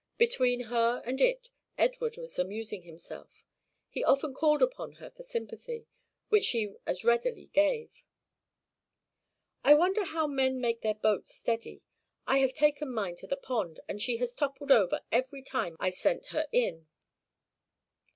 Between her and it, Edward was amusing himself; he often called upon her for sympathy, which she as readily gave. "I wonder how men make their boats steady; I have taken mine to the pond, and she has toppled over every time I sent her in."